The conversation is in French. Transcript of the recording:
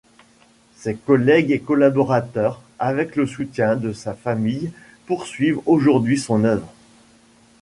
Ses collègues et collaborateurs, avec le soutien de sa famille, poursuivent aujourd'hui son œuvre.